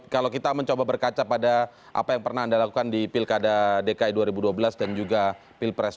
kalau kita mencoba berkaca pada apa yang pernah anda lakukan di pilkada dki dua ribu dua belas dan juga pilpres